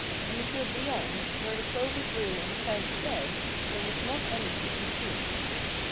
In the field beyond, where the clover grew and the cows fed, there was not any to be seen.